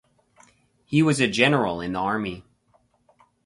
He was a General in the Army.